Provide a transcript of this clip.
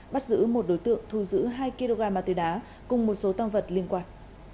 bắt giữ một đối tượng thu giữ hai kg ma túy đá cùng một số tăng vật liên quan